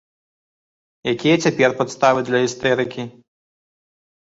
Якія цяпер падставы для істэрыкі?